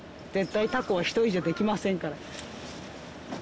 絶対タコは一人じゃできませんから。